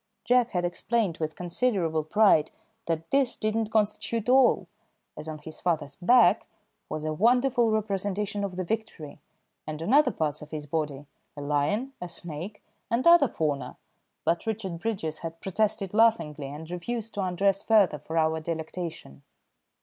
Jack had explained with considerable pride that this did not constitute all, as on his father's back was a wonderful representation of the Victory, and on other parts of his body a lion, a snake, and other fauna, but Richard Bridges had protested laughingly and refused to undress further for our delectation.